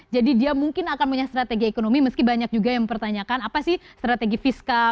jadi dia mungkin akan punya strategi ekonomi meski banyak juga yang mempertanyakan apa sih strategi fiskal